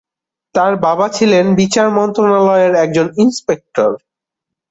তার বাবা ছিলেন বিচার মন্ত্রণালয়ের একজন ইন্সপেক্টর।